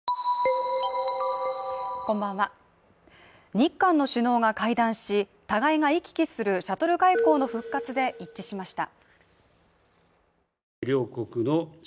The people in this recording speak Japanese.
日韓の首脳が会談し、互いが行き来するシャトル外交の復活で一致しました。